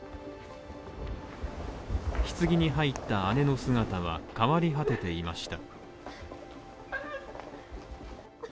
棺に入った姉の姿は変わり果てていました